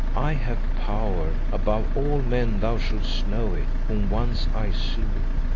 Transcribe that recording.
I have power above all men thou shouldst know it, whom once I slew.